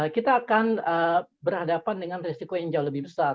kita akan berhadapan dengan resiko yang jauh lebih besar